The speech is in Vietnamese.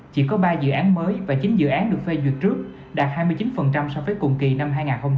chỉ có ba dự án mới và chín dự án được phê duyệt trước đạt hai mươi chín so với cùng kỳ năm hai nghìn hai mươi hai